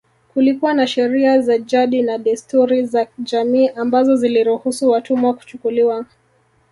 Kulikuwa na sheria za jadi na desturi za jamii ambazo ziliruhusu watumwa kuchukuliwa